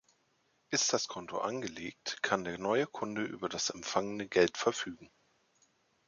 Ist das Konto angelegt, kann der neue Kunde über das empfangene Geld verfügen.